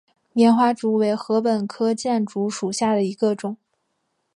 棉花竹为禾本科箭竹属下的一个种。